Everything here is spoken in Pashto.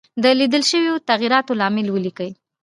د لیدل شوو تغیراتو لامل ولیکئ.